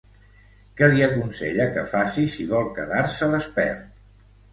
Què li aconsella que faci si vol quedar-se despert?